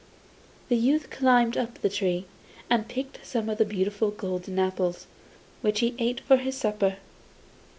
The youth climbed up the tree, and picked some of the beautiful golden apples, which he ate for his supper.